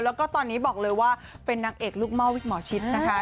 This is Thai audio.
แล้วก็ตอนนี้บอกเลยว่าเป็นนางเอกลูกหม้อวิกหมอชิดนะคะ